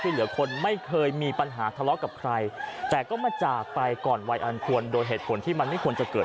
เอามาเป็นแม่